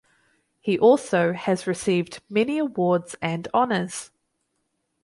He also has received many awards and honors.